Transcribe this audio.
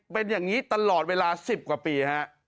เป็นอย่างนี้ตลอดเวลา๑๐กว่าปีฮะ